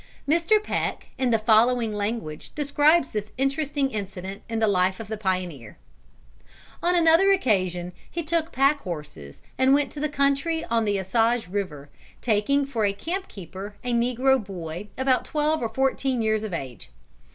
Mr. Peck in the following language describes this interesting incident in the life of the pioneer: "On another occasion he took pack horses and went to the country on the Osage river, taking for a camp keeper a negro boy about twelve or fourteen years of age.